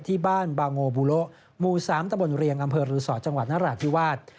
ที่บ้านบาโงบูโลหมู่๓ตะบนเรียงอำเภอรือสอจังหวัดนราธิวาส